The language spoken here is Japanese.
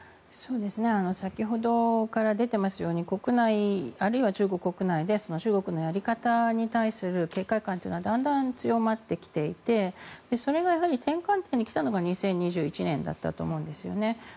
先ほどから出ていますように国内、あるいは中国国内で中国のやり方に対する警戒感というのはだんだん強まってきていてそれが転換点に来たのが２０２１年だったと思うんですよね。